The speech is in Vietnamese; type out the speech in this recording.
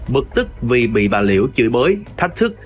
bực tức vì bị bà liễu chửi bới thách thức